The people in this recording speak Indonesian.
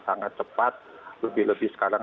sangat cepat lebih lebih sekarang